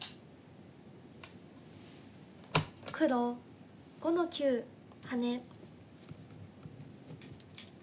黒５の九ハネ。